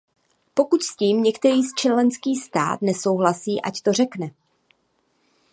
Pokud s tím některý členský stát nesouhlasí, ať to řekne.